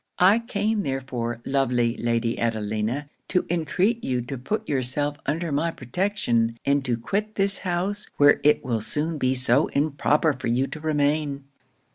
I came therefore, lovely Lady Adelina, to intreat you to put yourself under my protection, and to quit this house, where it will soon be so improper for you to remain."